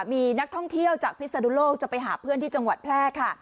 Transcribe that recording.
มีนักท่องเที่ยวจากพิศนุโลกจะไปหาเพื่อนที่จังหวัดแพร่ค่ะ